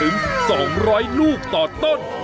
๒๐๐ลูกต่อต้น